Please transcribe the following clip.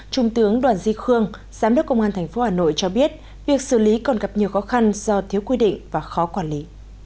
trung tướng đoàn di khương giám đốc công an tp hà nội cho biết việc xử lý còn gặp nhiều khó khăn do thiếu quy định và khó quản lý